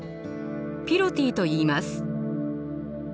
ピロティといいます。